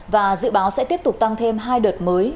và dự báo sẽ tiếp tục tăng thêm hai đợt mới